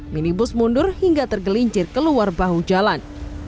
minibus mundur hingga tergelincir keluar bahu jalan